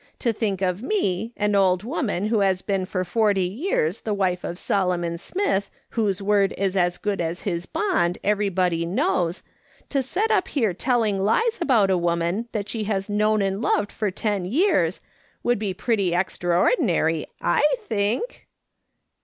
To think of me, an old woman who has been for forty years the wife of Solomon Smith, whose word is as good as his bond, everybody knows, to set up here telliug lies about a woman that she has known and loved for ten years, would be pretty extraordinary, 1 think.'"